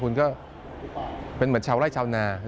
คุณก็เป็นเหมือนชาวไร่ชาวนา